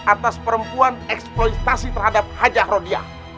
atas perempuan eksploitasi terhadap hajar rodya